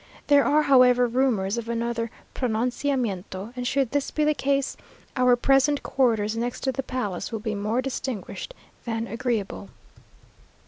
There are, however, rumours of another pronunciamiento, and should this be the case, our present quarters next to the palace will be more distinguished than agreeable.